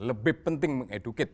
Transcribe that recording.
lebih penting meng educate